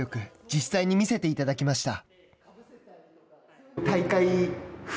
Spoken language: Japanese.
実際に見せていただきました。